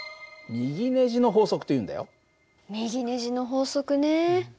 右ネジの法則ね。